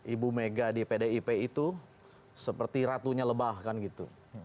ibu mega di pdip itu seperti ratunya lebah kan gitu